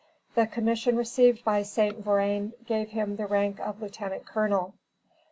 The commission received by St. Vrain gave him the rank of lieutenant colonel.